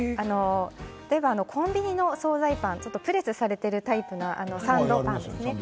コンビニのお総菜パンプレスされているタイプのサンドパンですね。